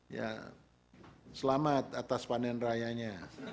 ya selamat atas panen rayanya